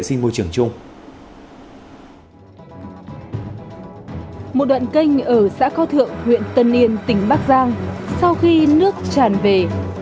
sinh môi trường chung một đoạn kênh ở xã kho thượng huyện tân yên tỉnh bắc giang sau khi nước tràn về